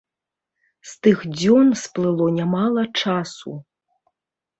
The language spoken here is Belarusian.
З тых дзён сплыло нямала часу.